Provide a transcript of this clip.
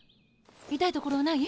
痛いところはない？